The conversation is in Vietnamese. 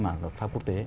mà luật pháp quốc tế